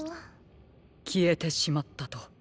きえてしまったと。